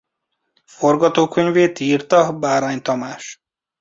Forgatókönyvét írta Bárány Tamás.